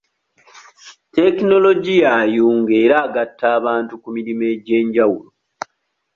Tekinologiya ayunga era agata abantu ku mirimu egy'enjawulo.